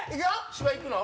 芝いくの？